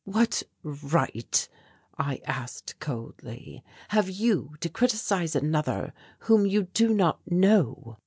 "What right," I asked coldly, "have you to criticize another whom you do not know?"